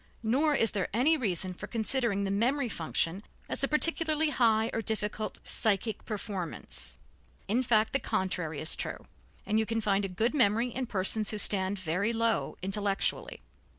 Nor is there any reason for considering the memory function as a particularly high or difficult psychic performance; in fact, the contrary is true, and you can find a good memory in persons who stand very low intellectually.